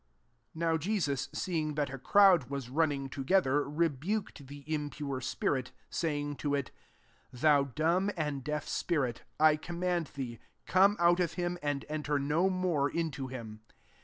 £5 Now Jesus seeing that a crowd was running together, rebuked the impure spirit, say ing to it, << Thou dumb and deaf spirit, I command thee. Come out of him, and enter no more into him."